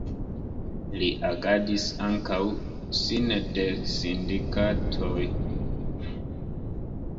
Li agadis ankaŭ sine de sindikatoj.